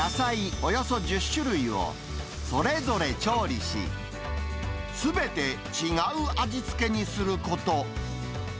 およそ１０種類を、それぞれ調理し、すべて違う味付けにすること。